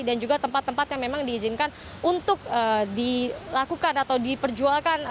dan juga tempat tempat yang memang diizinkan untuk dilakukan atau diperjualkan